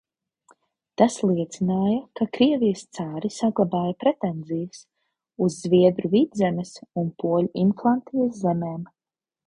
Tas liecināja, ka Krievijas cari saglabāja pretenzijas uz Zviedru Vidzemes un poļu Inflantijas zemēm.